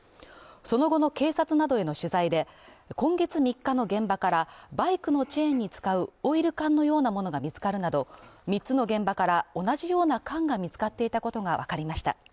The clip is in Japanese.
その後の警察などへの取材で、今月３日の現場からバイクのチェーンに使うオイル缶のようなものが見つかるなど、三つの現場から同じような缶が見つかっていたことがわかりました。